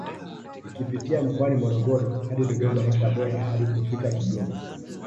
Ikipitia mkoani Morogoro hadi Dodoma na Tabora hadi kufika Kigoma